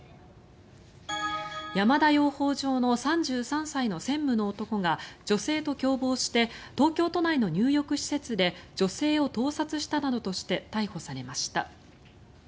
山田養蜂場の３３歳の専務の男が女性と共謀して東京都内の入浴施設で女性を盗撮したなどとして逮捕されました。